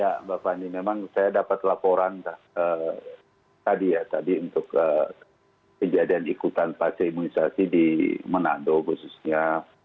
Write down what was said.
ya mbak fani memang saya dapat laporan tadi ya tadi untuk kejadian ikutan pasca imunisasi di manado khususnya